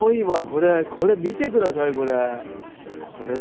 これ見て下さいこれ。